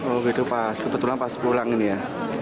oh gitu pas kebetulan pas pulang ini ya